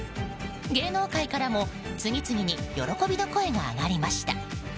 芸能界からも次々に喜びの声が上がりました。